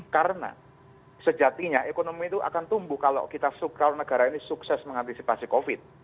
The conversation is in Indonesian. karena sejatinya ekonomi itu akan tumbuh kalau kita suka negara ini sukses mengantisipasi covid